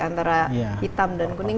antara hitam dan kuning